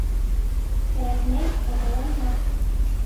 Кәрәкмәй, ыҙаланма.